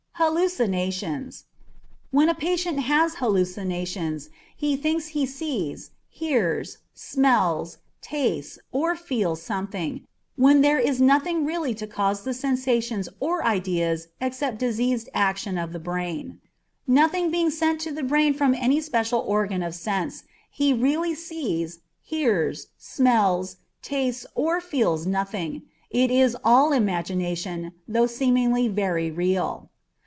Hallucinations. When a patient has hallucinations, he thinks he sees, hears, smells, tastes, or feels something, when there is really nothing to cause the sensations or ideas except diseased action of the brain; nothing being sent to the brain from any special organ of sense, he really sees, hears, smells, tastes, or feels nothing, it is all imagination, though seemingly very real.